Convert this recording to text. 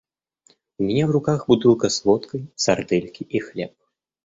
У меня в руках бутылка с водкой, сардельки и хлеб.